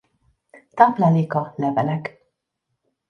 Tápláléka levelek.